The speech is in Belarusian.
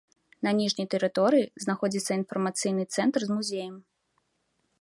На ніжняй тэрыторыі знаходзіцца інфармацыйны цэнтр з музеем.